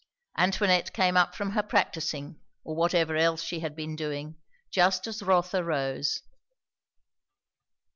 Antoinette came up from her practising, or whatever else she had been doing, just as Rotha rose.